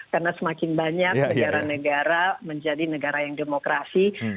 karena semakin banyak negara negara menjadi negara yang demokrasi